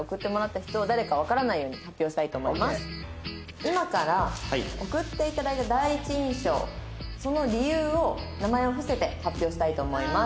「今から送っていただいた第一印象その理由を名前を伏せて発表したいと思います」